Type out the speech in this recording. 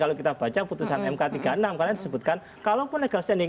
kalau kita baca putusan mk tiga puluh enam karena disebutkan kalaupun legal standing